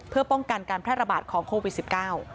เพื่อป้องกันการแพร่ระบาดของโควิดสิบเก้า